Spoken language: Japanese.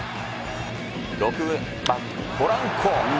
６番ポランコ。